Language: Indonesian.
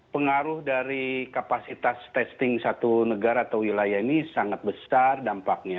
pengaruh dari kapasitas testing satu negara atau wilayah ini sangat besar dampaknya